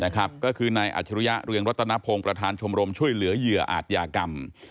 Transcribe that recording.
ก็คือนายอัจฉริยะเรืองรัตนพงศ์ประธานชมรมช่วยเหลือเหยื่ออาจยากรรม